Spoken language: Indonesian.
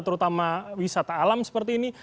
terutama wisata alam seperti ini